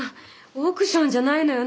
オークションじゃないのよ。